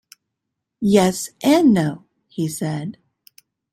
“Yes and no,” he said.